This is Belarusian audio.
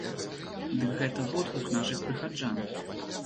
Дык гэта водгук нашых прыхаджан.